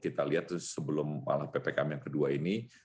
kita lihat sebelum malah ppkm yang kedua ini